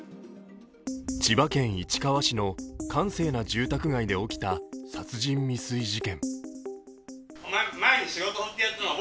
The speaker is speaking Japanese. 千葉県市川市の閑静な住宅街で起きた殺人未遂事件。